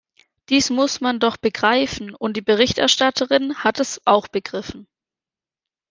Dies muss man doch begreifen, und die Berichterstatterin hat es auch begriffen.